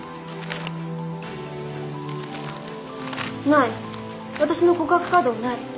ない私の告白カードがない。